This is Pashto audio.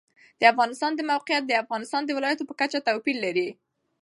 د افغانستان د موقعیت د افغانستان د ولایاتو په کچه توپیر لري.